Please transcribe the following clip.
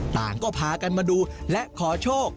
ต่างก็พากันมาดูและขอโชค